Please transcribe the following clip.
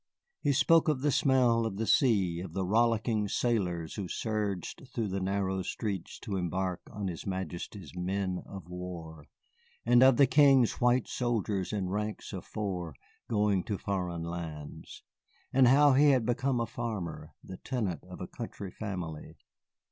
He spoke of the smell of the sea, of the rollicking sailors who surged through the narrow street to embark on his Majesty's men of war, and of the King's white soldiers in ranks of four going to foreign lands. And how he had become a farmer, the tenant of a country family.